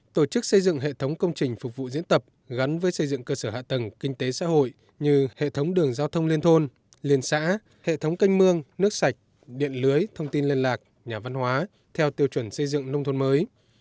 tổ chức xây dựng hệ thống công trình phục vụ diễn tập gắn với xây dựng cơ sở hạ tầng kinh tế xã hội như hệ thống đường giao thông liên thôn liên xã hệ thống canh mương nước sạch điện lưới thông tin liên lạc nhà văn hóa theo tiêu chuẩn xây dựng nông thôn mới